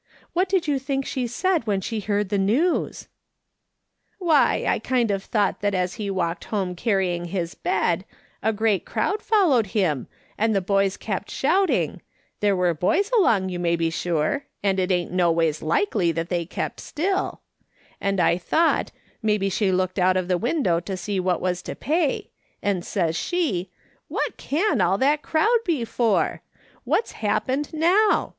"What did you think she said ■when she heard the news ?"" Why, I kind of thought that as he walked home carrying his bed, a great crowd followed him, and the boys kept shouting — there were boys along, you may be sure, and it ain't no ways likely that they kept still — and I thought, maybe she looked out of the window to see what was to pay, and says she :' Wliat can all that crowd be for ? What's happened now